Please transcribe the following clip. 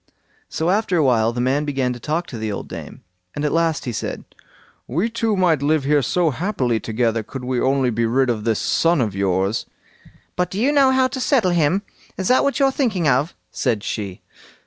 So after a while the man began to talk to the old dame, and at last he said: "We two might live here so happily together, could we only be rid of this son of yours." "But do you know how to settle him? Is that what you're thinking of?" said she.